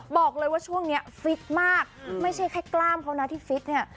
บอกเลยว่าช่วงนี้ฟิตมากไม่ใช่แค่กล้ามเขานะที่ฟิตเนี่ย